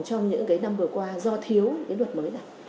trong những năm vừa qua do thiếu luật mới này